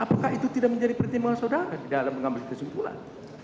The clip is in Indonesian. apakah itu tidak menjadi pertimbangan saudara di dalam mengambil kesimpulan